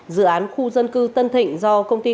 dự án khu dân cư tân thịnh do công ty